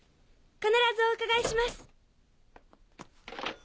必ずお伺いします。